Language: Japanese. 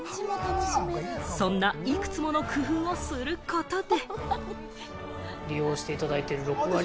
そんないくつもの工夫をすることで。